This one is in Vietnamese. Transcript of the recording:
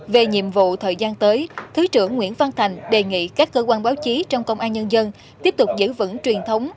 về nhiệm vụ thời gian tới thứ trưởng nguyễn văn thành đề nghị các cơ quan báo chí trong công an nhân dân tiếp tục giữ vững truyền thống